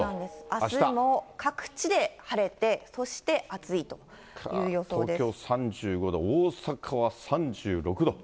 あすにも各地で晴れて、東京３５度、大阪は３６度。